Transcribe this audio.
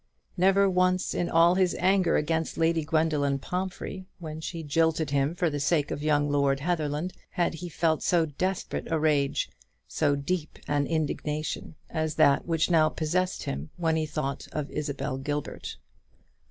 Never once in all his anger against Lady Gwendoline Pomphrey, when she jilted him for the sake of young Lord Heatherland, had he felt so desperate a rage, so deep an indignation, as that which now possessed him when he thought of Isabel Gilbert.